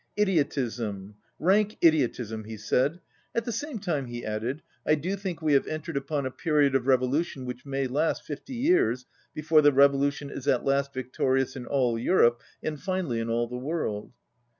"Idiotism, rank idiotism!" he said. "At the same time," he added, "I do think we have entered upon a period of revolution which may last fifty years before the revolution is at last victorious in all Europe and finally in all the world."